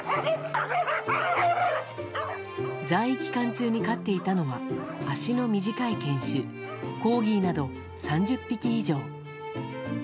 在位期間中に飼っていたのは足の短い犬種コーギーなど３０匹以上。